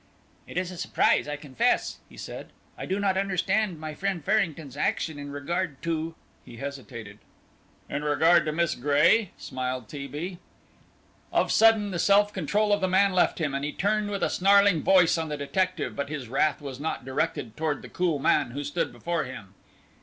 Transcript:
"It is a surprise, I confess," he said. "I do not understand my friend Farrington's action in regard to " he hesitated. "In regard to Miss Gray," smiled T. B. Of a sudden the self control of the man left him, and he turned with a snarling voice on the detective, but his wrath was not directed toward the cool man who stood before him.